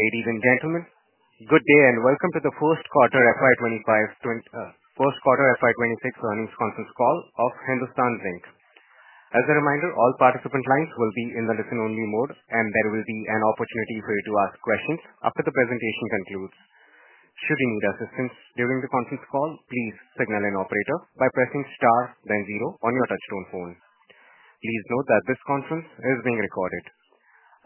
Ladies and gentlemen, good day and welcome to the First Quarter FY2026 Earnings Conference Call of Hindustan Zinc. As a reminder, all participant lines will be in the listen-only mode, and there will be an opportunity for you to ask questions after the presentation concludes. Should you need assistance during the conference call, please signal an operator by pressing star, then zero on your touchstone phone. Please note that this conference is being recorded.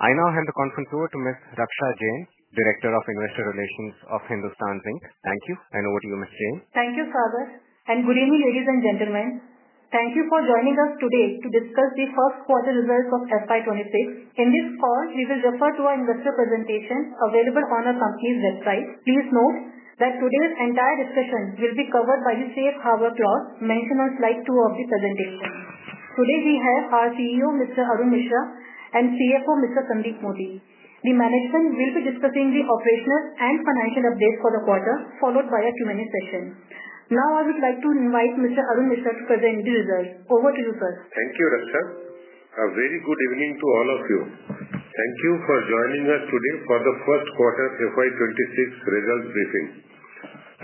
I now hand the conference over to Miss Raksha Jain, Director of Investor Relations of Hindustan Zinc. Thank you, and over to you, Miss Jain. Thank you, Sagar. Good evening, ladies and gentlemen. Thank you for joining us today to discuss the First Quarter Results of FY2026. In this call, we will refer to our investor presentation available on our company's website. Please note that today's entire discussion will be covered by the safe harbor clause mentioned on slide two of the presentation. Today, we have our CEO, Mr. Arun Misra, and CFO, Mr. Sandeep Modi. The management will be discussing the operational and financial updates for the quarter, followed by a Q&A session. Now, I would like to invite Mr. Arun Misra to present the results. Over to you, sir. Thank you, Raksha. A very good evening to all of you. Thank you for joining us today for the First Quarter FY2026 Results briefing.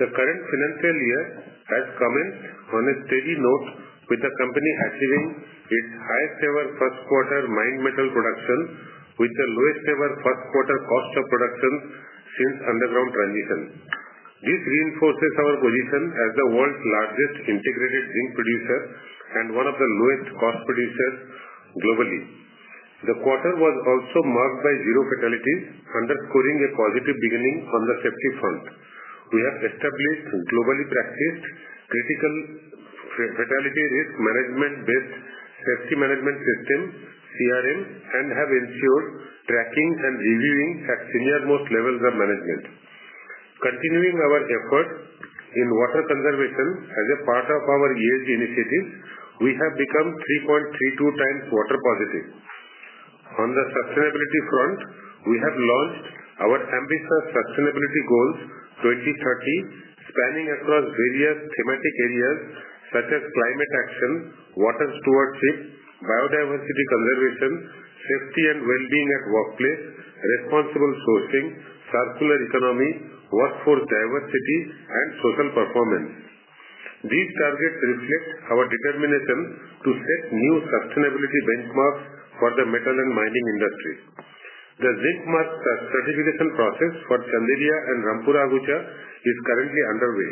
The current financial year has commenced on a steady note, with the company achieving its highest-ever first quarter mined metal production, with the lowest-ever first quarter cost of production since underground transition. This reinforces our position as the world's largest integrated zinc producer and one of the lowest cost producers globally. The quarter was also marked by zero fatalities, underscoring a positive beginning on the safety front. We have established globally practiced critical fatality risk management-based safety management system, CRM, and have ensured tracking and reviewing at senior-most levels of management. Continuing our efforts in water conservation as a part of our ESG initiatives, we have become 3.32 times water positive. On the sustainability front, we have launched our ambitious sustainability goals 2030, spanning across various thematic areas such as climate action, water stewardship, biodiversity conservation, safety and well-being at workplace, responsible sourcing, circular economy, workforce diversity, and social performance. These targets reflect our determination to set new sustainability benchmarks for the metal and mining industry. The zinc mark certification process for Chanderiya and Rampura Agucha is currently underway.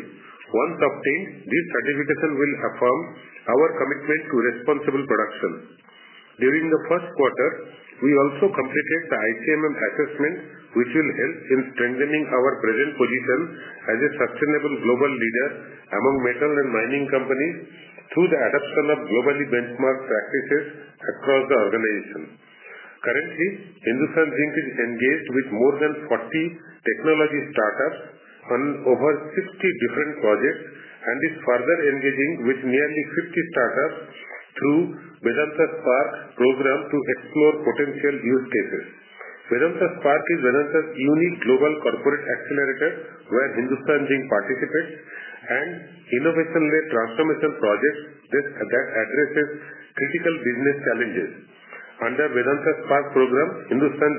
Once obtained, this certification will affirm our commitment to responsible production. During the first quarter, we also completed the ICMM assessment, which will help in strengthening our present position as a sustainable global leader among metal and mining companies through the adoption of globally benchmarked practices across the organization. Currently, Hindustan Zinc is engaged with more than 40 technology startups on over 60 different projects and is further engaging with nearly 50 startups through Vedanta Spark program to explore potential use cases. Vedanta Spark is Vedanta's unique global corporate accelerator where Hindustan Zinc participates and innovation-led transformation projects that address critical business challenges. Under Vedanta Spark program, Hindustan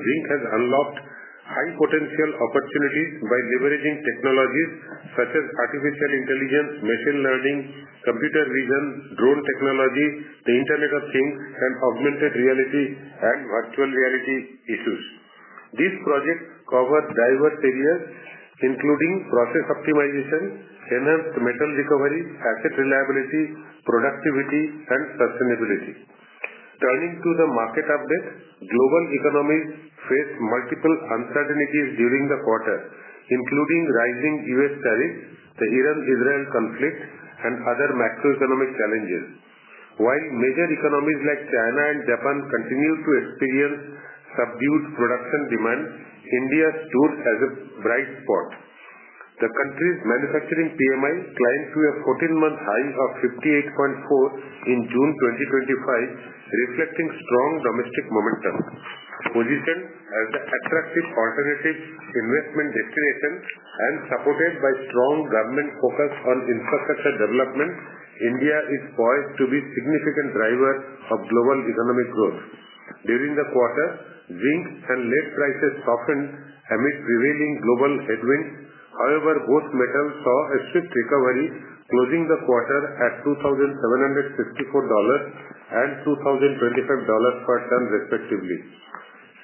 Zinc has unlocked high-potential opportunities by leveraging technologies such as artificial intelligence, machine learning, computer vision, drone technology, the Internet of Things, and augmented reality and virtual reality issues. These projects cover diverse areas, including process optimization, enhanced metal recovery, asset reliability, productivity, and sustainability. Turning to the market update, global economies face multiple uncertainties during the quarter, including rising U.S. tariffs, the Iran-Israel conflict, and other macroeconomic challenges. While major economies like China and Japan continue to experience subdued production demand, India stood as a bright spot. The country's manufacturing PMI climbed to a 14-month high of 58.4 in June 2025, reflecting strong domestic momentum. Positioned as an attractive alternative investment destination and supported by strong government focus on infrastructure development, India is poised to be a significant driver of global economic growth. During the quarter, zinc and lead prices softened amid prevailing global headwinds. However, both metals saw a swift recovery, closing the quarter at $2,764 and $2,025 per ton, respectively.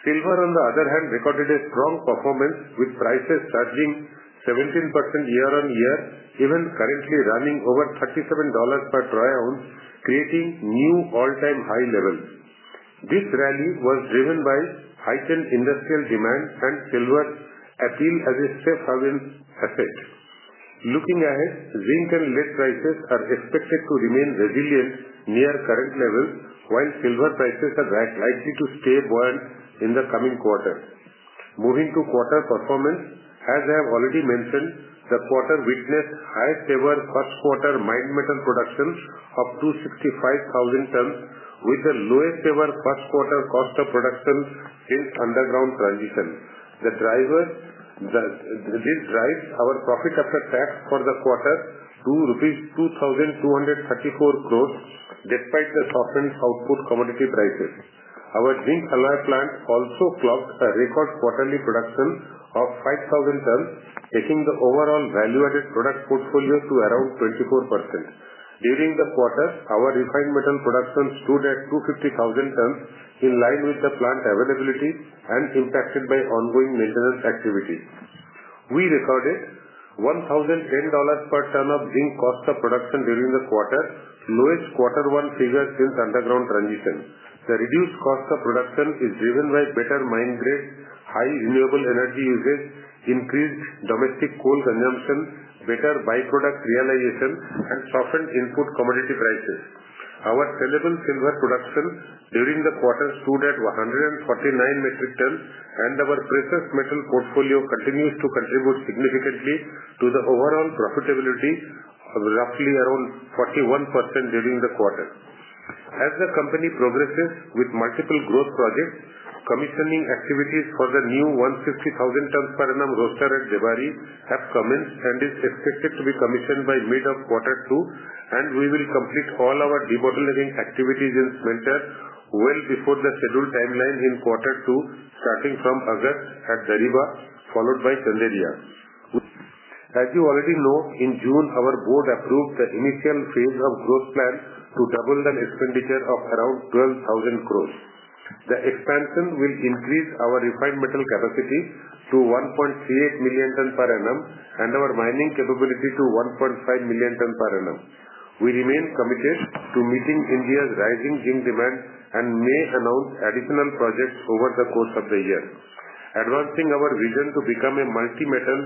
Silver, on the other hand, recorded a strong performance, with prices surging 17% year-on-year, even currently running over $37 per troy ounce, creating new all-time high levels. This rally was driven by heightened industrial demand and silver's appeal as a safe haven asset. Looking ahead, zinc and lead prices are expected to remain resilient near current levels, while silver prices are likely to stay bound in the coming quarter. Moving to quarter performance, as I have already mentioned, the quarter witnessed highest-ever first quarter mined metal production of 265,000 tons, with the lowest-ever first quarter cost of production since underground transition. This drives our profit after tax for the quarter to rupees 2,234 crore, despite the softened output commodity prices. Our zinc alloy plant also clocked a record quarterly production of 5,000 tons, taking the overall value-added product portfolio to around 24%. During the quarter, our refined metal production stood at 250,000 tons, in line with the plant availability and impacted by ongoing maintenance activity. We recorded $1,010 per ton of zinc cost of production during the quarter, lowest quarter-one figure since underground transition. The reduced cost of production is driven by better mine grade, high renewable energy usage, increased domestic coal consumption, better byproduct realization, and softened input commodity prices. Our sellable silver production during the quarter stood at 149 metric tons, and our precious metal portfolio continues to contribute significantly to the overall profitability of roughly around 41% during the quarter. As the company progresses with multiple growth projects, commissioning activities for the new 150,000 tons per annum roaster at Debari have commenced and are expected to be commissioned by mid of quarter two, and we will complete all our debottlenecking activities in smelter well before the scheduled timeline in quarter two, starting from August at Dariba, followed by Chanderiya. As you already know, in June, our board approved the initial phase of growth plan to double the expenditure of around 12,000 crore. The expansion will increase our refined metal capacity to 1.38 million tons per annum and our mining capability to 1.5 million tons per annum. We remain committed to meeting India's rising zinc demand and may announce additional projects over the course of the year. Advancing our vision to become a multi-metal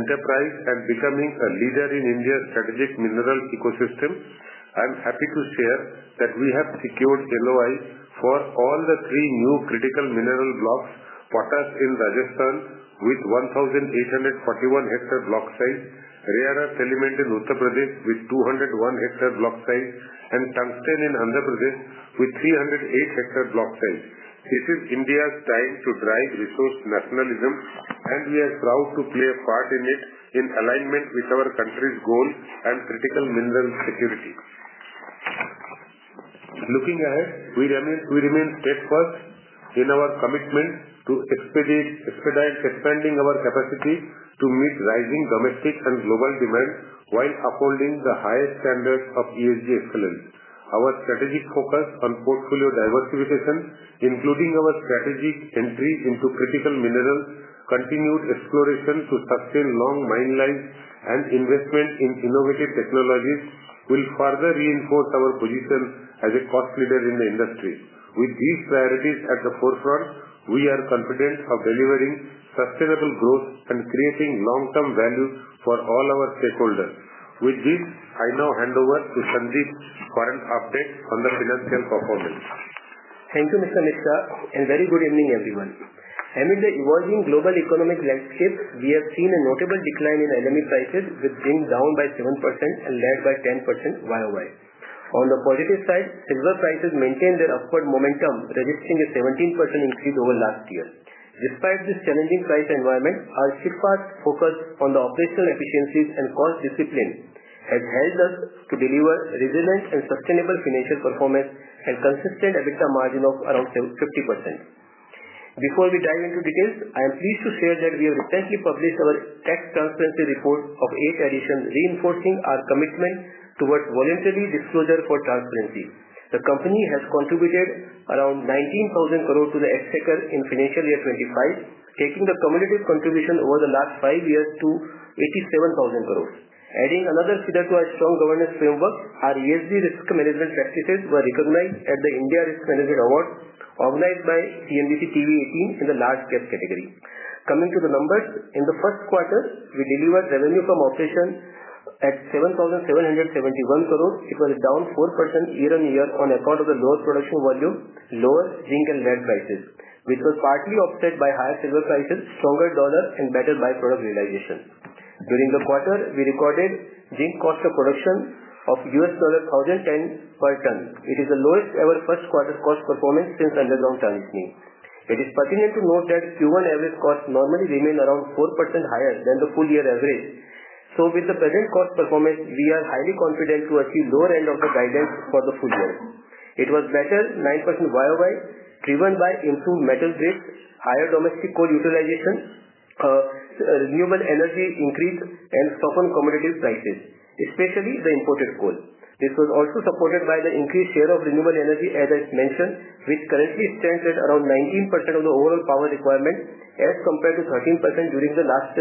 enterprise and becoming a leader in India's strategic mineral ecosystem, I'm happy to share that we have secured LOIs for all the three new critical mineral blocks: potash in Rajasthan with 1,841 hectare block size, rare earth element in Uttar Pradesh with 201 hectare block size, and tungsten in Andhra Pradesh with 308 hectare block size. This is India's time to drive resource nationalism, and we are proud to play a part in it in alignment with our country's goals and critical mineral security. Looking ahead, we remain steadfast in our commitment to expedite expanding our capacity to meet rising domestic and global demand while upholding the highest standards of ESG excellence. Our strategic focus on portfolio diversification, including our strategic entry into critical minerals, continued exploration to sustain long mine lives, and investment in innovative technologies will further reinforce our position as a cost leader in the industry. With these priorities at the forefront, we are confident of delivering sustainable growth and creating long-term value for all our stakeholders. With this, I now hand over to Sandeep for an update on the financial performance. Thank you, Mr. Misra, and very good evening, everyone. Amid the evolving global economic landscape, we have seen a notable decline in LME prices, with zinc down by 7% and lead by 10% year-over-year. On the positive side, silver prices maintain their upward momentum, registering a 17% increase over last year. Despite this challenging price environment, our steadfast focus on the operational efficiencies and cost discipline has helped us to deliver resilient and sustainable financial performance and consistent EBITDA margin of around 50%. Before we dive into details, I am pleased to share that we have recently published our tax transparency report of eight editions, reinforcing our commitment towards voluntary disclosure for transparency. The company has contributed around 19,000 crores to the exchequer in financial year 25, taking the cumulative contribution over the last five years to 87,000 crores. Adding another feather to our strong governance framework, our ESG risk management practices were recognized at the India Risk Management Awards, organized by CNBC TV18 in the large-cap category. Coming to the numbers, in the first quarter, we delivered revenue from operations at 7,771 crores. It was down 4% year-over-year on account of the lower production volume, lower zinc, and lead prices, which was partly offset by higher silver prices, stronger dollar, and better byproduct realization. During the quarter, we recorded zinc cost of production of $1,010 per ton. It is the lowest-ever first-quarter cost performance since underground transitioning. It is pertinent to note that Q1 average costs normally remain around 4% higher than the full-year average. With the present cost performance, we are highly confident to achieve the lower end of the guidance for the full year. It was better 9% year-over-year, driven by improved metal grades, higher domestic coal utilization, renewable energy increase, and softened commodity prices, especially the imported coal. This was also supported by the increased share of renewable energy, as I mentioned, which currently stands at around 19% of the overall power requirement as compared to 13% during the last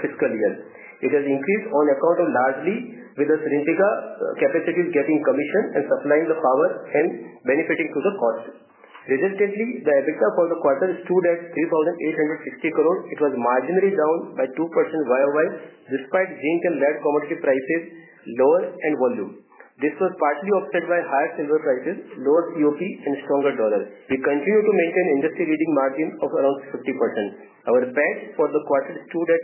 fiscal year. It has increased on account of largely with the Serentica capacities getting commissioned and supplying the power and benefiting to the cost. Resultantly, the EBITDA for the quarter stood at 3,860 crores. It was marginally down by 2% year-over-year, despite zinc and lead commodity prices lower and volume. This was partly offset by higher silver prices, lower COP, and stronger dollar. We continue to maintain industry-leading margin of around 50%. Our PAT for the quarter stood at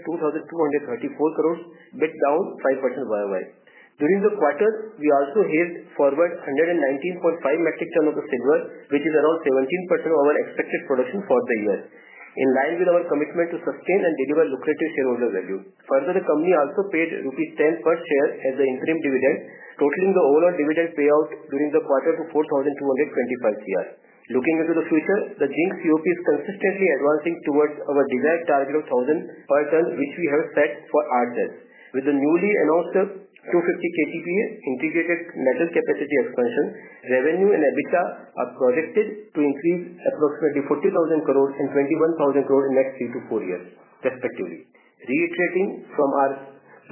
2,234 crores, bit down 5% year-over-year. During the quarter, we also hedged forward 119.5 metric tons of silver, which is around 17% of our expected production for the year, in line with our commitment to sustain and deliver lucrative shareholder value. Further, the company also paid rupees 10 per share as the interim dividend, totaling the overall dividend payout during the quarter to 4,225 crores. Looking into the future, the zinc COP is consistently advancing towards our desired target of $1,000 per ton, which we have set for our debts. With the newly announced 250 KTPA integrated metal capacity expansion, revenue and EBITDA are projected to increase approximately 40,000 crores and 21,000 crores in the next three to four years, respectively. Reiterating from our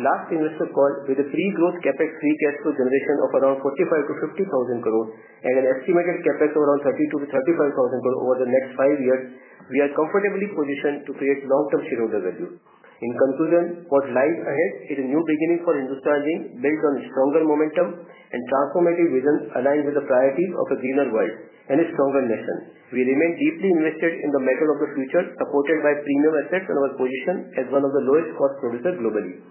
last investor call, with a pre-growth capex free cash flow generation of around 45,000-50,000 crores and an estimated capex of around 32,000 crore-35,000 crores over the next five years, we are comfortably positioned to create long-term shareholder value. In conclusion, what lies ahead is a new beginning for Hindustan Zinc, built on stronger momentum and transformative vision, aligned with the priorities of a greener world and a stronger nation. We remain deeply invested in the metal of the future, supported by premium assets and our position as one of the lowest-cost producers globally.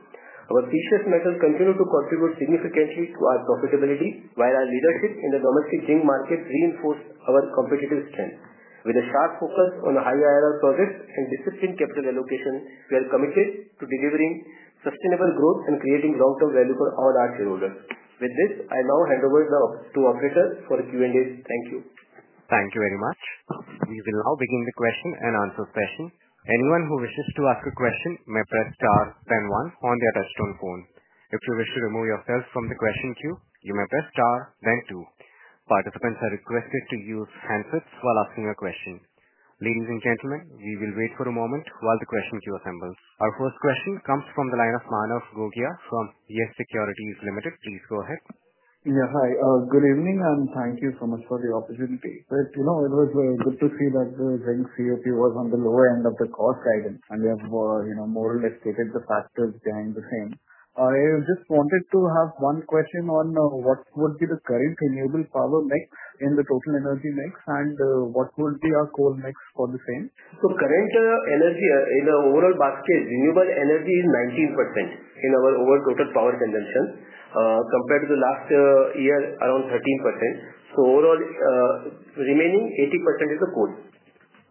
Our precious metals continue to contribute significantly to our profitability, while our leadership in the domestic zinc market reinforced our competitive strength. With a sharp focus on high IRR projects and disciplined capital allocation, we are committed to delivering sustainable growth and creating long-term value for all our shareholders. With this, I now hand over to the operator for a Q&A. Thank you. Thank you very much. We will now begin the question and answer session. Anyone who wishes to ask a question may press star then one on their touchstone phone. If you wish to remove yourself from the question queue, you may press star then two. Participants are requested to use handsets while asking a question. Ladies and gentlemen, we will wait for a moment while the question queue assembles. Our first question comes from the line of Manav Gogia from YES Securities Limited. Please go ahead. Yes, hi. Good evening, and thank you so much for the opportunity. It was good to see that the zinc COP was on the lower end of the cost guidance, and we have more or less taken the factors behind the same. I just wanted to have one question on what would be the current renewable power mix in the total energy mix, and what would be our coal mix for the same? Current energy in the overall basket, renewable energy is 19% in our overall total power consumption. Compared to the last year, around 13%. Overall. Remaining 80% is the coal.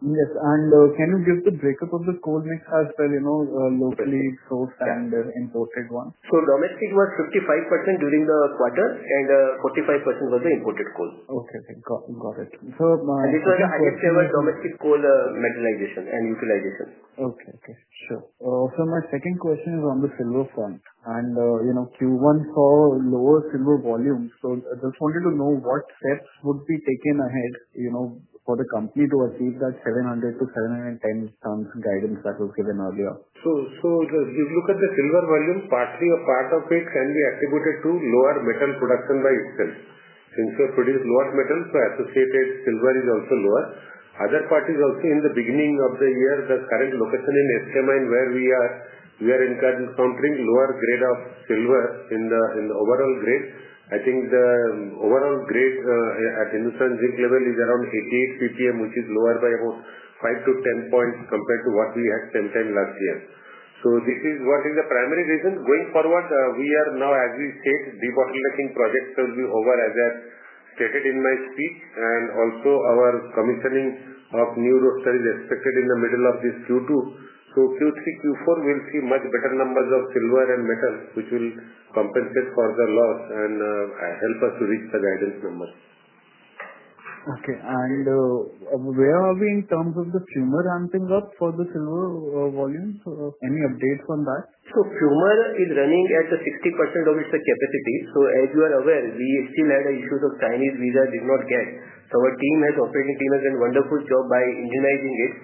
Yes, and can you give the breakup of the coal mix as well? Locally sourced and imported one. Domestic was 55% during the quarter, and 45% was the imported coal. Okay, got it. This was a highest-ever domestic coal metalization and utilization. My second question is on the silver front. Q1 saw lower silver volume, so I just wanted to know what steps would be taken ahead for the company to achieve that 700-710 tons guidance that was given earlier? If you look at the silver volume, partly a part of it can be attributed to lower metal production by itself. Since we have produced lower metal, so associated silver is also lower. Other part is also in the beginning of the year, the current location in SK Mine, where we are encountering lower grade of silver in the overall grade. I think the overall grade at Hindustan Zinc level is around 88 PPM, which is lower by about five to 10 points compared to what we had same time last year. This is what is the primary reason. Going forward, we are now, as we said, debottling projects will be over, as I have stated in my speech, and also our commissioning of new roasters is expected in the middle of this Q2. Q3, Q4, we'll see much better numbers of silver and metal, which will compensate for the loss and help us to reach the guidance numbers. Where are we in terms of the forward ramping up for the silver volumes? Any updates on that? Fumer is running at 60% of its capacity. As you are aware, we still had issues of Chinese visa did not get. Our team has operating team has done a wonderful job by indigenizing it.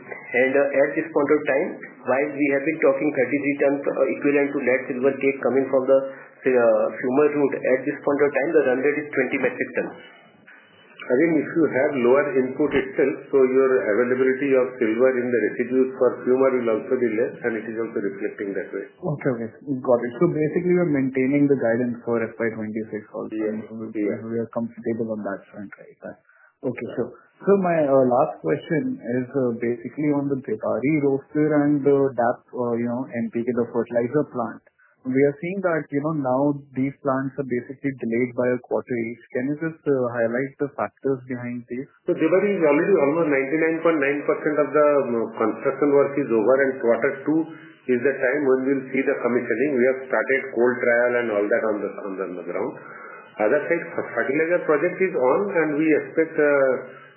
And at this point of time, while we have been talking 33 tons equivalent to lead silver cake coming from the Fumer route, at this point of time, the run rate is 20 metric tons. Again, if you have lower input itself, your availability of silver in the residues for Fumer will also be less, and it is also reflecting that way. Okay, got it. Basically, we're maintaining the guidance for FY2026 also. We are comfortable on that front, right? Okay, sure. My last question is basically on the Debari roaster and DAP NPK, the fertilizer plant. We are seeing that now these plants are basically delayed by a quarter each. Can you just highlight the factors behind this? Debari is already almost 99.9% of the construction work is over, and quarter two is the time when we'll see the commissioning. We have started coal trial and all that on the ground. Other side, fertilizer project is on, and we expect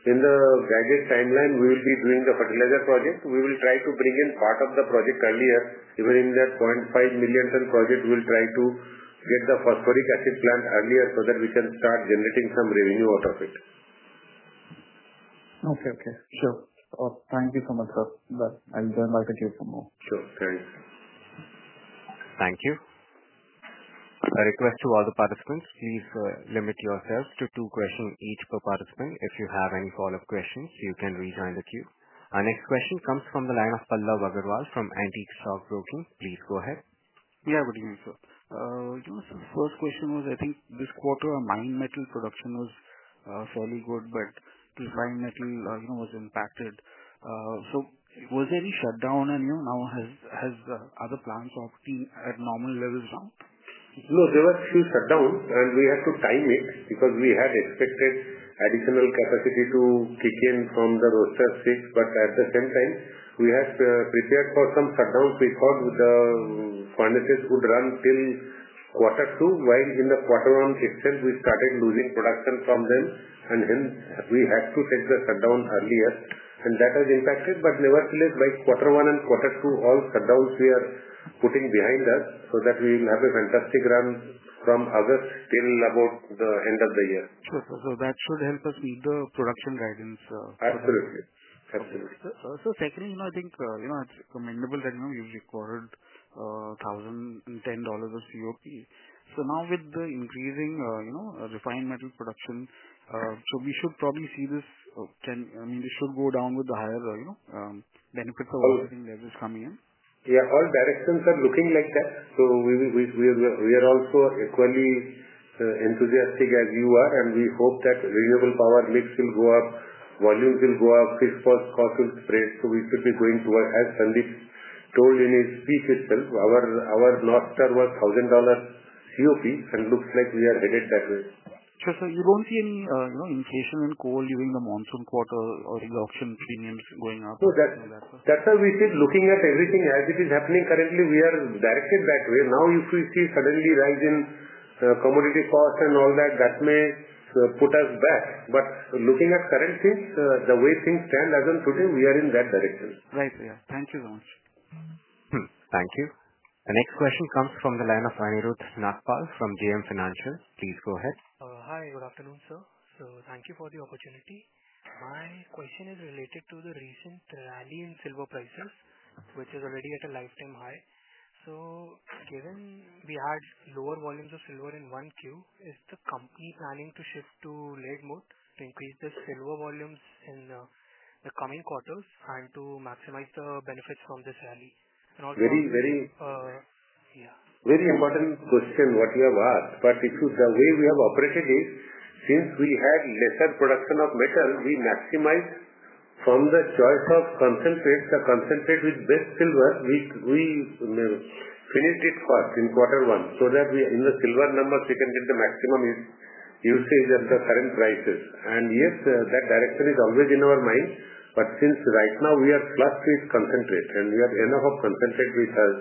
in the guided timeline, we will be doing the fertilizer project. We will try to bring in part of the project earlier. Even in that 0.5 million tons project, we will try to get the phosphoric acid plant earlier so that we can start generating some revenue out of it. Okay, sure. Thank you so much, sir. I'll join back at you for more. Sure, thanks. Thank you. A request to all the participants, please limit yourselves to two questions each per participant. If you have any follow-up questions, you can rejoin the queue. Our next question comes from the line of Pallav Agarwal from Antique Stock Broking. Please go ahead. Yeah, good evening, sir. First question was, I think this quarter mined metal production was fairly good, but the refined metal was impacted. So was there any shutdown, and are other plants operating at normal levels now? No, there were a few shutdowns, and we had to time it because we had expected additional capacity to kick in from the roaster six. But at the same time, we had prepared for some shutdowns because the furnaces would run till quarter two, while in the quarter one itself, we started losing production from them, and hence we had to take the shutdown earlier. That has impacted, but nevertheless, by quarter one and quarter two, all shutdowns we are putting behind us so that we will have a fantastic run from August till about the end of the year. That should help us meet the production guidance. Absolutely. Secondly, I think it's commendable that you've recorded $1,010 of COP. Now with the increasing refined metal production, we should probably see this, I mean, this should go down with the higher benefits of everything that is coming in. Yeah, all directions are looking like that. We are also equally enthusiastic as you are, and we hope that renewable power mix will go up, volumes will go up, fixed costs will spread. We should be going toward, as Sandeep told in his speech itself, our North Star was $1,000 COP, and it looks like we are headed that way. Sure, so you don't see any inflation in coal during the monsoon quarter or the auction premiums going up? That's how we see it. Looking at everything as it is happening currently, we are directed that way. Now, if we see suddenly rise in commodity costs and all that, that may put us back. But looking at current things, the way things stand as of today, we are in that direction. Right, yeah. Thank you so much. Thank you. The next question comes from the line of Anirudh Nagpal from JM Financial. Please go ahead. Hi, good afternoon, sir. Thank you for the opportunity. My question is related to the recent rally in silver prices, which is already at a lifetime high. Given we had lower volumes of silver in Q1, is the company planning to shift to late mode to increase the silver volumes in the coming quarters and to maximize the benefits from this rally? And also. Very, very. Yeah. Very important question what you have asked. The way we have operated is, since we had lesser production of metal, we maximized from the choice of concentrate, the concentrate with best silver, we finished it fast in quarter one so that in the silver numbers, we can get the maximum usage at the current prices. And yes, that direction is always in our mind. Since right now we are flush with concentrate, and we are enough of concentrate with us,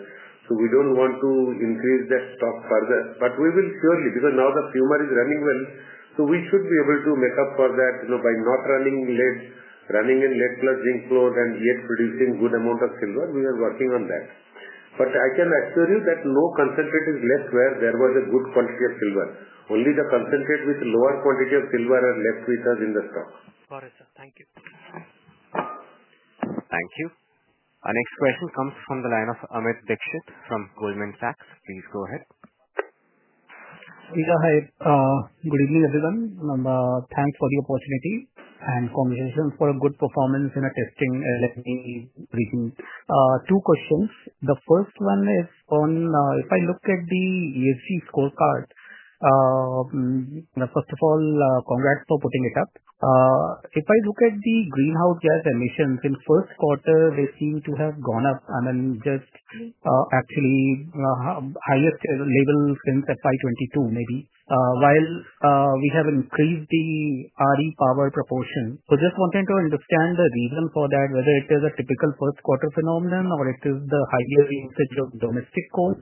so we don't want to increase that stock further. We will surely, because now the Rampura is running well, so we should be able to make up for that by not running late, running in late plus zinc flows, and yet producing good amount of silver. We are working on that. I can assure you that no concentrate is left where there was a good quantity of silver. Only the concentrate with lower quantity of silver are left with us in the stock. Got it, sir. Thank you. Thank you. Our next question comes from the line of Amit Dixit from Goldman Sachs. Please go ahead. Yeah, hi. Good evening, everyone. Thanks for the opportunity and congratulations for a good performance in a testing company. Two questions. The first one is on if I look at the ESG scorecard. First of all, congrats for putting it up. If I look at the greenhouse gas emissions in first quarter, they seem to have gone up. I mean, just actually highest level since FY2022 maybe, while we have increased the renewable energy power proportion. Just wanting to understand the reason for that, whether it is a typical first quarter phenomenon or it is the higher usage of domestic coal,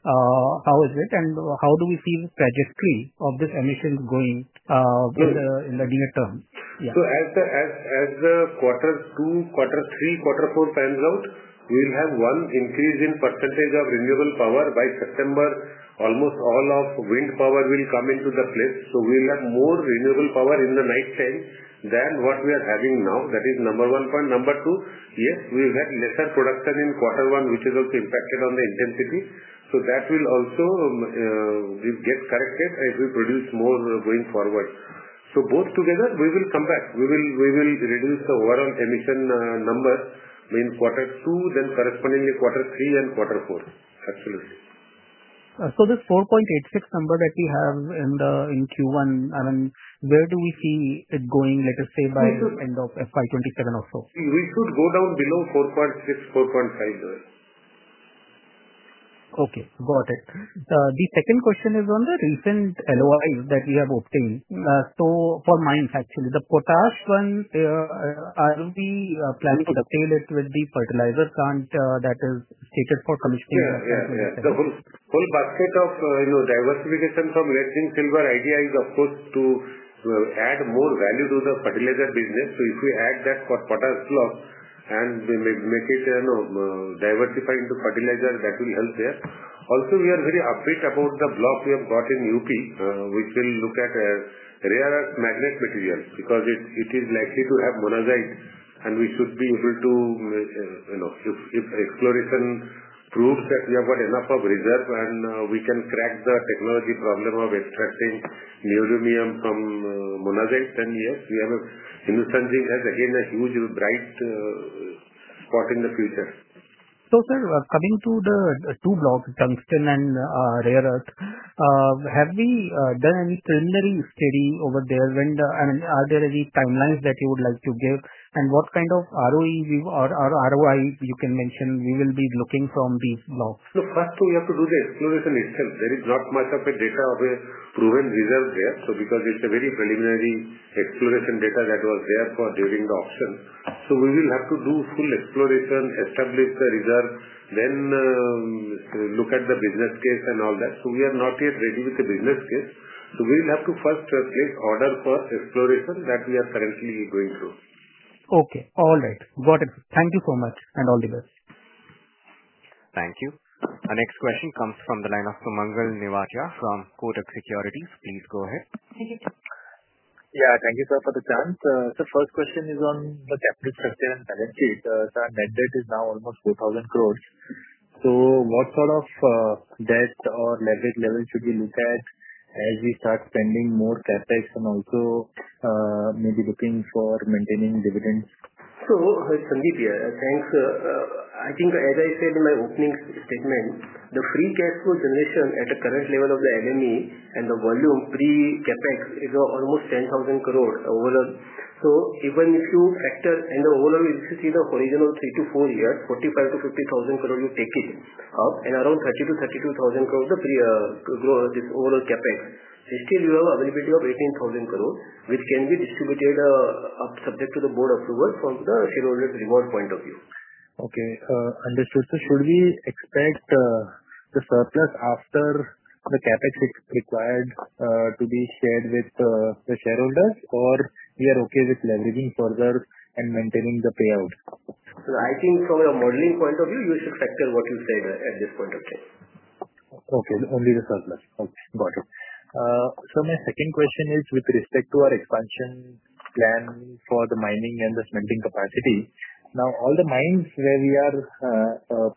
how is it, and how do we see the trajectory of this emissions going in the near term? As quarter two, quarter three, quarter four pans out, we will have one increase in percentage of renewable power by September. Almost all of wind power will come into the place. We will have more renewable power in the nighttime than what we are having now. That is number one. Number two, yes, we've had lesser production in quarter one, which is also impacted on the intensity. That will also get corrected if we produce more going forward. Both together, we will come back. We will reduce the overall emission numbers in quarter two, then correspondingly quarter three and quarter four. Absolutely. This 4.86 number that we have in Q1, I mean, where do we see it going, let us say, by the end of FY2027 also? We should go down below 4.6, 4.5 level. Okay, got it. The second question is on the recent LOIs that we have obtained. So for mines, actually, the potash one. Are we planning to integrate it with the fertilizer plant that is slated for commissioning? Yeah, yeah. The whole basket of diversification from lead zinc silver idea is, of course, to add more value to the fertilizer business. So if we add that for potash block and make it diversify into fertilizer, that will help there. Also, we are very upbeat about the block we have got in UP, which will look at rare earth magnet material because it is likely to have monazite, and we should be able to. If exploration proves that we have got enough of reserve and we can crack the technology problem of extracting neodymium from monazite, then yes, we have a Hindustan Zinc as again a huge bright spot in the future. Sir, coming to the two blocks, tungsten and rare earth, have we done any preliminary study over there? I mean, are there any timelines that you would like to give? And what kind of ROI you can mention we will be looking from these blocks? Look, first we have to do the exploration itself. There is not much of a data of a proven reserve there. Because it's a very preliminary exploration data that was there during the auction. We will have to do full exploration, establish the reserve, then look at the business case and all that. We are not yet ready with the business case. We will have to first place order for exploration that we are currently going through. Okay, all right. Got it. Thank you so much and all the best. Thank you. Our next question comes from the line of Sumangal Nevatia from Kotak Securities. Please go ahead. Thank you. Yeah, thank you, sir, for the chance. So first question is on the capital structure and balance sheet. Sir, net debt is now almost INR 4,000 crores. So what sort of debt or leverage level should we look at as we start spending more CapEx and also maybe looking for maintaining dividends? So Sandeep, yeah, thanks. I think as I said in my opening statement, the free cash flow generation at the current level of the LME and the volume pre-CapEx is almost 10,000 crores overall. So even if you factor and overall, if you see the horizontal three to four years, 45,000 crore-50,000 crores, you take it up and around 30,000-32,000 crores, the overall CapEx. Still, you have availability of 18,000 crores, which can be distributed subject to the board approval from the shareholders' reward point of view. Okay, understood. Should we expect the surplus after the CapEx is required to be shared with the shareholders, or we are okay with leveraging further and maintaining the payout? I think from a modeling point of view, you should factor what you said at this point of time. Okay, only the surplus. Okay, got it. My second question is with respect to our expansion plan for the mining and the smelting capacity. Now, all the mines where we are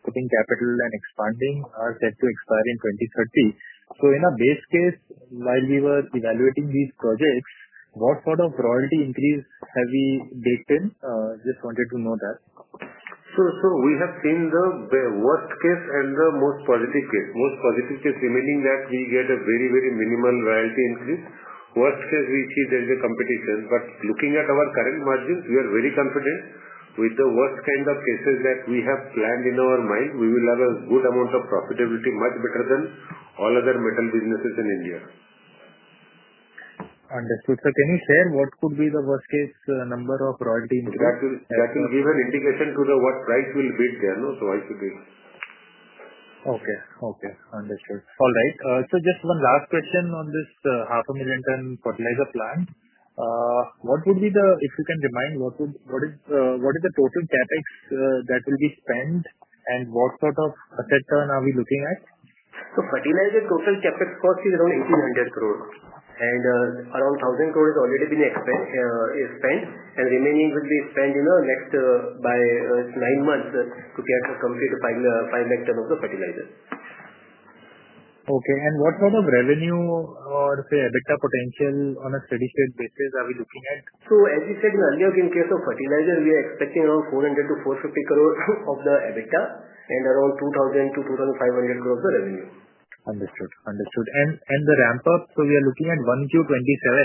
putting capital and expanding are set to expire in 2030. In a base case, while we were evaluating these projects, what sort of royalty increase have we baked in? Just wanted to know that. We have seen the worst case and the most positive case. Most positive case remaining that we get a very, very minimal royalty increase. Worst case, we see there is a competition. But looking at our current margins, we are very confident with the worst kind of cases that we have planned in our mind, we will have a good amount of profitability, much better than all other metal businesses in India. Understood. Can you share what could be the worst case number of royalty increase? That will give an indication to what price will be there, so I should be. Okay, okay. Understood. All right. Just one last question on this $500,000 ton fertilizer plant. What would be the, if you can remind, what is the total CapEx that will be spent and what sort of asset turn are we looking at? Fertilizer total CapEx cost is around 1,800 crore. And around 1,000 crore has already been spent, and remaining will be spent in the next nine months to get complete 500,000 tpa of the fertilizer. What sort of revenue or say EBITDA potential on a steady shared basis are we looking at? As we said earlier, in case of fertilizer, we are expecting around 400 crore-450 crores of the EBITDA and around 2,000 crore-2,500 crores of the revenue. Understood. Understood. The ramp-up, so we are looking at Q1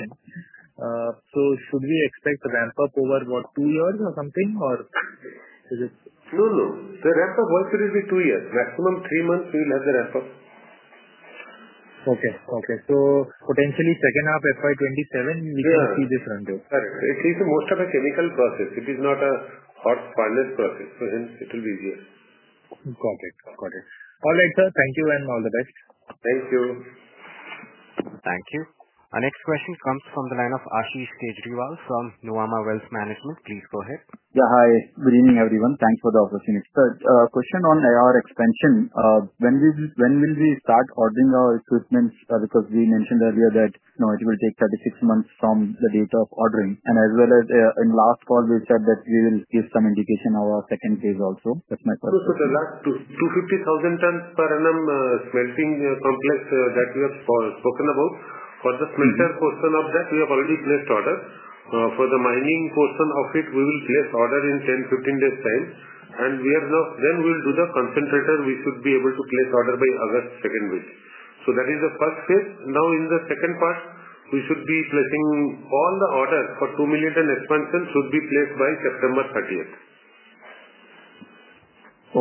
2027. So should we expect the ramp-up over what, two years or something, or? No, no. The ramp-up once it will be two years. Maximum three months we will have the ramp-up. Okay, okay. Potentially second half FY2027, we can see this run through. Correct. At least most of the chemical process, it is not a hot furnace process. So hence it will be easier. Got it. Got it. All right, sir. Thank you and all the best. Thank you. Thank you. Our next question comes from the line of Ashish Kejriwal from Nuvama Wealth Management. Please go ahead. Yeah, hi. Good evening, everyone. Thanks for the opportunity. Sir, question on our expansion. When will we start ordering our equipment? Because we mentioned earlier that it will take 36 months from the date of ordering. As well as in last call, we said that we will give some indication of our second phase also. That's my question. The last 250,000 tons per annum smelting complex that we have spoken about, for the smelter portion of that, we have already placed order. For the mining portion of it, we will place order in 10, 15 days' time. And then we will do the concentrator. We should be able to place order by August second week. That is the first phase. Now in the second part, we should be placing all the orders for two million ton expansion should be placed by September 30th.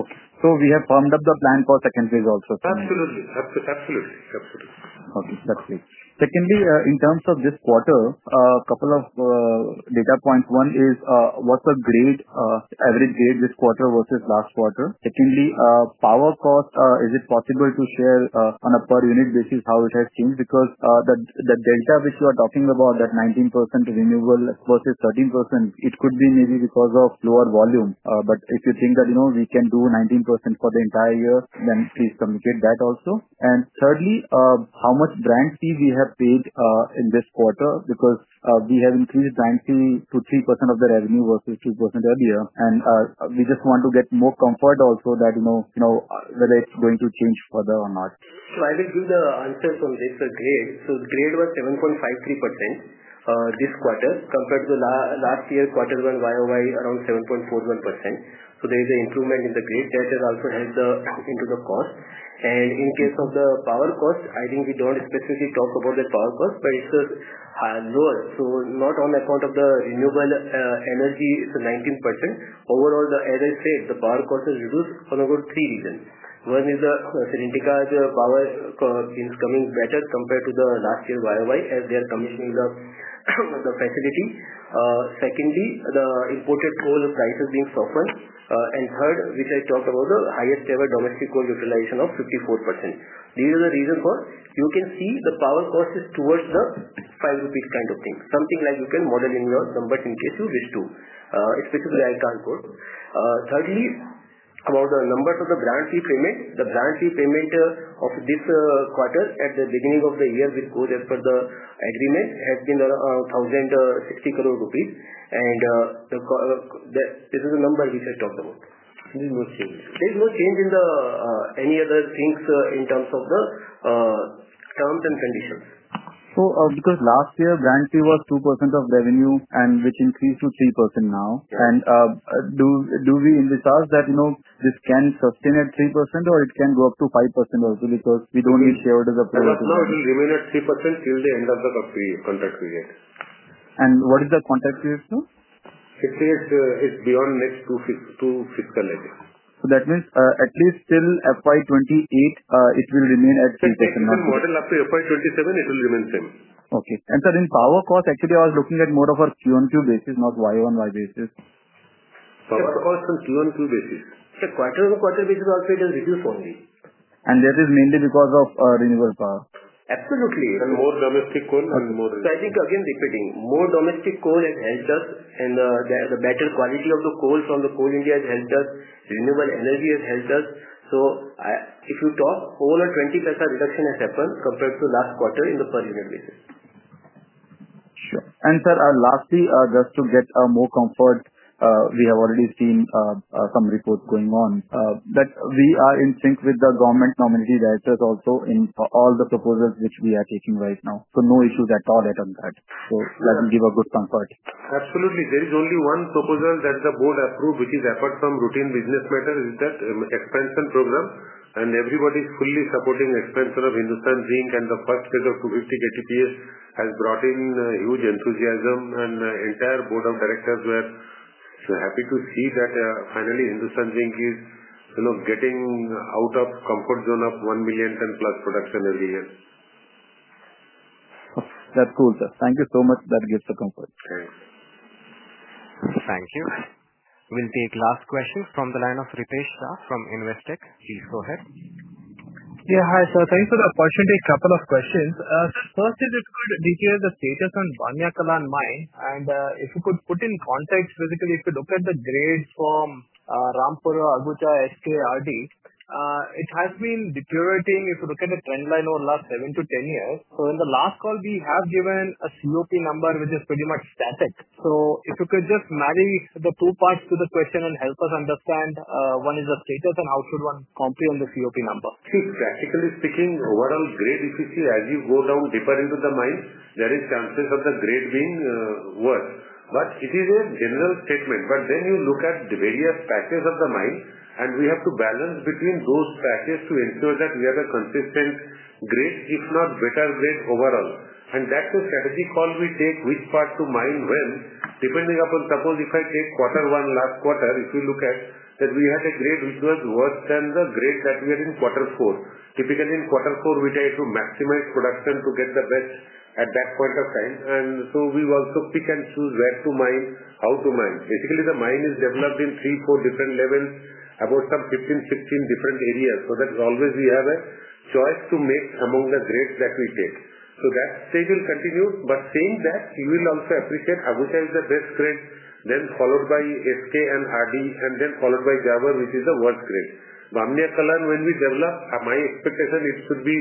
Okay. We have formed up the plan for second phase also, sir? Absolutely. Absolutely. Absolutely. Okay. That's great. Secondly, in terms of this quarter, a couple of data points. One is what's the average grade this quarter versus last quarter? Secondly, power cost, is it possible to share on a per unit basis how it has changed? Because the delta which you are talking about, that 19% renewable versus 13%, it could be maybe because of lower volume. If you think that we can do 19% for the entire year, then please communicate that also. Thirdly, how much grant fee we have paid in this quarter? Because we have increased grant fee to 3% of the revenue versus 2% earlier. We just want to get more comfort also that. Whether it's going to change further or not. I will give the answer from this grade. The grade was 7.53% this quarter compared to last year quarter one year-over-year around 7.41%. There is an improvement in the grade. That has also helped into the cost. In case of the power cost, I think we don't specifically talk about the power cost, but it's lower. Not on account of the renewable energy, it's 19%. Overall, as I said, the power cost has reduced for about three reasons. One is the Serentica power is coming better compared to the last year year-over-year as they are commissioning the facility. Secondly, the imported coal price is being softened. Third, which I talked about, the highest ever domestic coal utilization of 54%. These are the reasons for you can see the power cost is towards the 5 rupees kind of thing. Something like you can model in your numbers in case you wish to, especially I can. Thirdly, about the numbers of the grant fee payment, the grant fee payment of this quarter at the beginning of the year with government as per the agreement has been around 1,060 crores rupees. This is the number which I talked about. There is no change. There is no change in any other things in terms of the terms and conditions. Because last year grant fee was 2% of revenue and which increased to 3% now. And do we in this task that this can sustain at 3% or it can go up to 5% also because we don't need shareholders' approval? It will remain at 3% till the end of the contract period. What is the contract period too? It's beyond next two fiscal years. That means at least till FY2028, it will remain at 3%. If you model up to FY2027, it will remain same. Okay. And sir, in power cost, actually, I was looking at more of a Q1 to Q1 basis, not year-over-year basis. Power cost on Q1 basis. Sir, quarter-on-quarter basis also, it has reduced only. That is mainly because of renewable power? More domestic coal and more renewable. So I think, again, repeating, more domestic coal has helped us, and the better quality of the coal from the Coal India has helped us. Renewable energy has helped us. So if you talk, over 20% reduction has happened compared to last quarter in the per unit basis. Sure. Lastly, just to get more comfort, we have already seen some reports going on that we are in sync with the government nominee directors also in all the proposals which we are taking right now. So no issues at all at that front. So that will give a good comfort. Absolutely. There is only one proposal that the board approved, which is apart from routine business matter, is that expansion program. Everybody is fully supporting expansion of Hindustan Zinc, and the first phase of 250 KTPA has brought in huge enthusiasm. The entire board of directors were happy to see that finally Hindustan Zinc is getting out of comfort zone of 1 million ton plus production every year. That's cool, sir. Thank you so much. That gives a comfort. Thanks. Thank you. We'll take last question from the line of Ritesh Shah from Investec. Please go ahead. Yeah, hi, sir. Thanks for the opportunity to take a couple of questions. First, if you could detail the status on Bania Kalan mine. If you could put in context, basically, if you look at the grade from Rampura Agucha, SK, RD, it has been deteriorating if you look at the trend line over the last seven to 10 years. So in the last call, we have given a COP number, which is pretty much static. So if you could just marry the two parts to the question and help us understand what is the status and how should one comprehend the COP number. See, practically speaking, overall grade if you see, as you go down deeper into the mine, there are chances of the grade being worse. But it is a general statement. But then you look at the various patches of the mine, and we have to balance between those patches to ensure that we have a consistent grade, if not better grade overall. That's the strategy call we take, which part to mine when. Depending upon, suppose if I take quarter one, last quarter, if you look at that we had a grade which was worse than the grade that we had in quarter four. Typically, in quarter four, we try to maximize production to get the best at that point of time. So we also pick and choose where to mine, how to mine. Basically, the mine is developed in three, four different levels about some 15, 16 different areas. So that always we have a choice to make among the grades that we take. So that stage will continue. But seeing that, you will also appreciate Rampura Agucha is the best grade, then followed by SK and RD, and then followed by Jhava, which is the worst grade. Bamnia Kalan, when we develop, my expectation it should be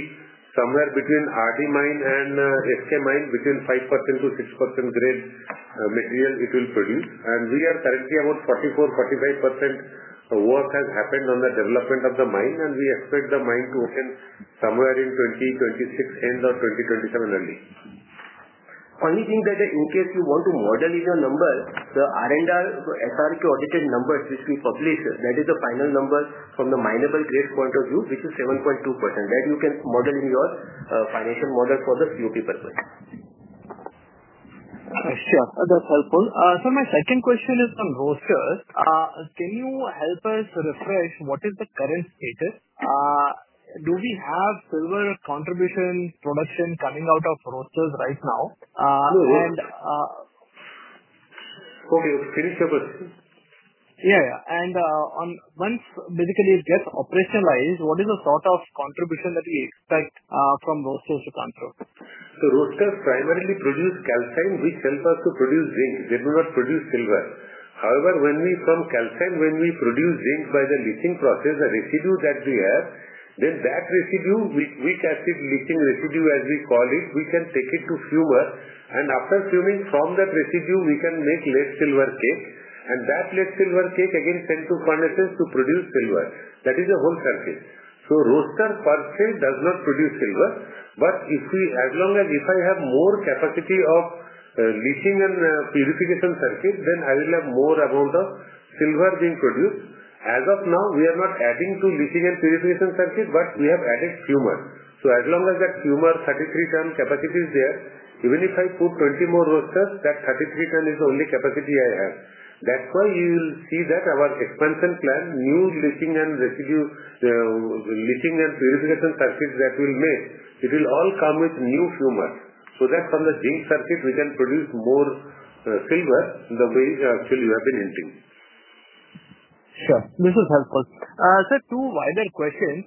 somewhere between RD mine and SK mine, between 5%-6% grade material it will produce. We are currently about 44, 45% work has happened on the development of the mine, and we expect the mine to open somewhere in 2026, end of 2027 early. Only thing that in case you want to model in your numbers, the R&R SRK audited numbers which we publish, that is the final number from the minable grade point of view, which is 7.2%. That you can model in your financial model for the COP purpose. Sure. That's helpful. Sir, my second question is on roasters. Can you help us refresh what is the current status? Do we have silver contribution production coming out of roasters right now? Okay. Finish your question. Yeah, yeah. Once basically it gets operationalized, what is the sort of contribution that we expect from roasters to come through? Roasters primarily produce Calcine, which helps us to produce zinc. They do not produce silver. However, when we from Calcine, when we produce zinc by the leaching process, the residue that we have, then that residue, Weak Acid Leaching Residue as we call it, we can take it to fumer. And after fuming, from that residue, we can make lead silver cake. And that lead silver cake, again, sent to furnaces to produce silver. That is the whole circuit. Roaster per se does not produce silver. But as long as if I have more capacity of leaching and purification circuit, then I will have more amount of silver being produced. As of now, we are not adding to leaching and purification circuit, but we have added fumer. As long as that fumer 33 ton capacity is there, even if I put 20 more roasters, that 33 ton is the only capacity I have. That's why you will see that our expansion plan, new leaching and residue leaching and purification circuits that we'll make, it will all come with new fumer. That from the zinc circuit, we can produce more silver than the way actually we have been hinting. Sure. This is helpful. Sir, two wider questions.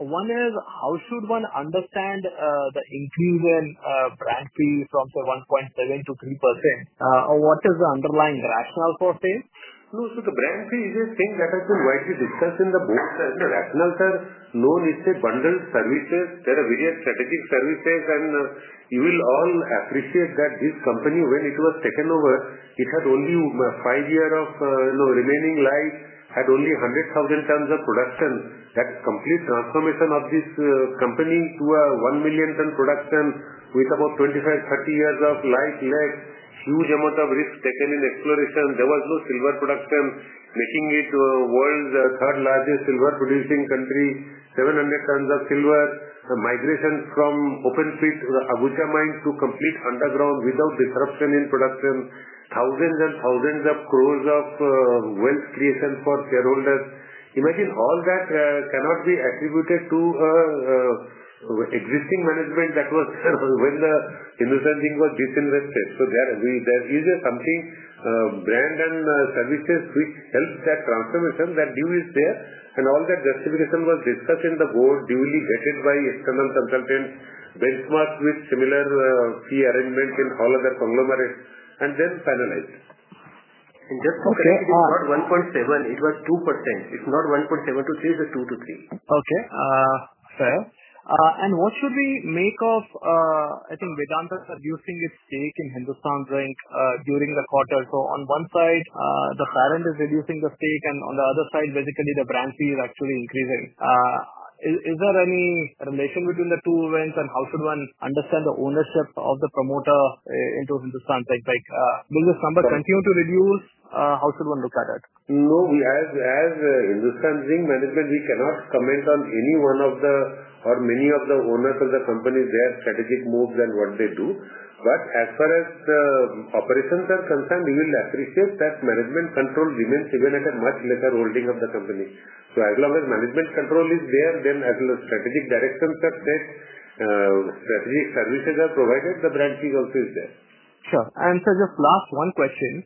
One is, how should one understand the increase in brand fee from, say, 1.7%-3%? What is the underlying rationale for that? Look, so the brand fee is a thing that has been widely discussed in the boards. The rationale is a bundled services. There are various strategic services, and you will all appreciate that this company, when it was taken over, it had only five years of remaining life, had only 100,000 tons of production. That complete transformation of this company to a 1 million ton production with about 25, 30 years of life left, huge amount of risk taken in exploration. There was no silver production, making it world's third largest silver producing country, 700 tons of silver, migration from open pit Rampura Agucha mine to complete underground without disruption in production, thousands and thousands of crores of wealth creation for shareholders. Imagine all that cannot be attributed to existing management that was when the Hindustan Zinc was disinvested. There is something, brand and services which helped that transformation, that due is there. All that justification was discussed in the board, duly vetted by external consultants, benchmarked with similar fee arrangements in all other conglomerates, and then finalized. Just to clarify, it's not 1.7%. It was 2%. It's not 1.7%-3%. It's 2%-3%. Fair. And what should we make of, I think, Vedanta's reducing its stake in Hindustan Zinc during the quarter? So on one side, the parent is reducing the stake, and on the other side, basically, the brand fee is actually increasing. Is there any relation between the two events, and how should one understand the ownership of the promoter into Hindustan Zinc? Will this number continue to reduce? How should one look at it? No, as Hindustan Zinc management, we cannot comment on any one of the or many of the owners of the company, their strategic moves and what they do. As far as the operations are concerned, we will appreciate that management control remains, even at a much lesser holding of the company. So as long as management control is there, then as long as strategic directions are set. Strategic services are provided, the brand fee also is there. Sure. Just last one question.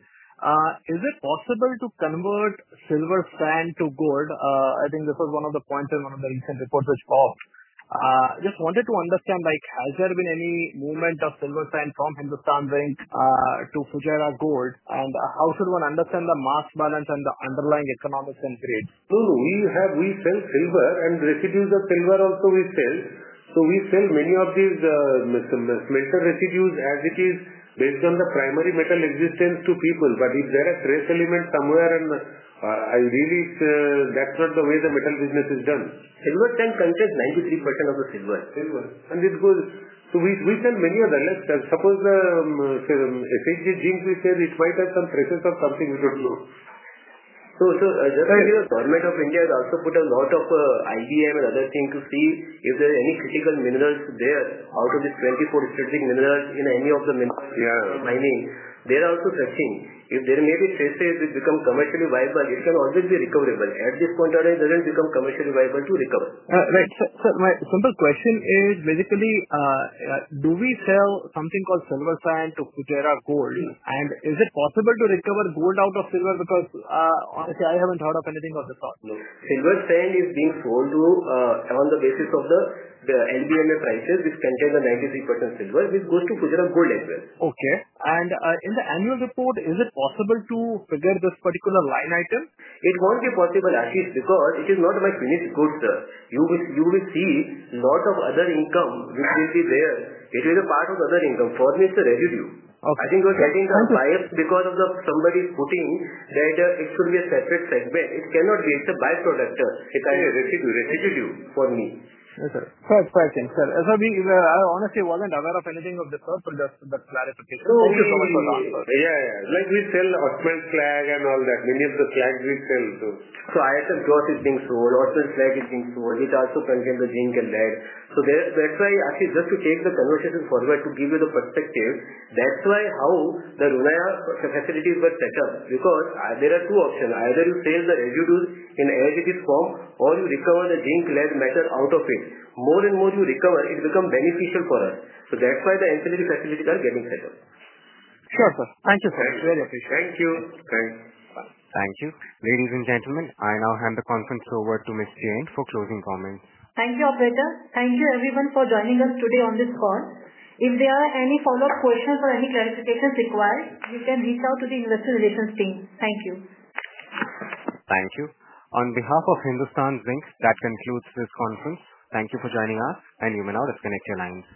Is it possible to convert Silver Sand to gold? I think this was one of the points in one of the recent reports which popped. Just wanted to understand, has there been any movement of Silver Sand from Hindustan Zinc to Fujairah Gold? How should one understand the mass balance and the underlying economics and grades? No, no. We sell silver, and residues of silver also we sell. So we sell many of these smelter residues as it is based on the primary metal existence to people. But if there are trace elements somewhere, and I really that's not the way the metal business is done. Silver sand counts as 93% of the silver. And it goes. So we sell many other less. Suppose the SHG Zinc, we say it might have some traces of something we don't know. So just to give a government of India has also put a lot of IBM and other things to see if there are any critical minerals there out of these 24 strategic minerals in any of the mines. They are also searching. If there may be traces which become commercially viable, it can always be recoverable. At this point, it doesn't become commercially viable to recover. Right. Sir, my simple question is, basically, do we sell something called Silver Sand to Fujairah Gold? And is it possible to recover gold out of silver? Because honestly, I haven't heard of anything of this sort. No. Silver sand is being sold on the basis of the LBMA prices, which contain the 93% silver, which goes to Fujairah Gold as well. Okay. In the annual report, is it possible to figure this particular line item? It won't be possible, Ashish, because it is not my finished goods, sir. You will see a lot of other income which will be there. It will be part of the other income. For me, it's a residue. I think you are getting a bias because of somebody putting that it should be a separate segment. It cannot be. It's a byproduct. It's a residue for me. Yes, sir. Sir, it's perfect. Sir, I honestly wasn't aware of anything of this sort, so just that clarification. No, no. Thank you so much for the answer. Yeah, yeah. Like we sell zinc alloy and all that. Many of the alloys we sell too. ISM cloth is being sold. Oswald Clay is being sold. It also contains the zinc and lead. That's why, Ashish, just to take the conversation forward, to give you the perspective, that's why how the Runaya facilities were set up. Because there are two options. Either you sell the residues in as it is form, or you recover the zinc lead matter out of it. More and more you recover, it becomes beneficial for us. That's why the ancillary facilities are getting set up. Sure, sir. Thank you, sir. Thank you. Very appreciate it. Thank you. Thanks. Thank you. Ladies and gentlemen, I now hand the conference over to Ms. Jain for closing comments. Thank you, Operator. Thank you, everyone, for joining us today on this call. If there are any follow-up questions or any clarifications required, you can reach out to the Investor Relations team. Thank you. Thank you. On behalf of Hindustan Zinc, that concludes this conference. Thank you for joining us, and you may now disconnect your lines.